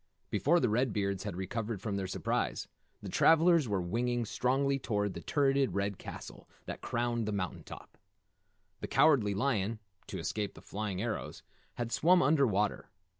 Before the Red Beards had recovered from their surprise, the travellers were winging strongly toward the turretted red castle that crowned the mountain top. The Cowardly Lion, to escape the flying arrows, had swum under water.